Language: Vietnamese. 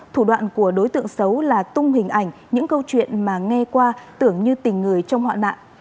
thủ đoạn của đối tượng xấu là tung hình ảnh những câu chuyện mà nghe qua tưởng như tình người trong họa nạn